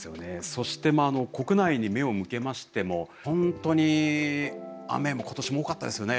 そして国内に目を向けましても本当に雨も今年も多かったですよね。